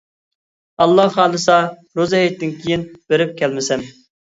ئاللا خالىسا روزا ھېيتتىن كىيىن بېرىپ كەلمىسەم.